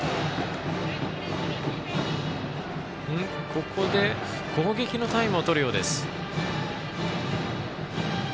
ここで、攻撃のタイムをとるようです。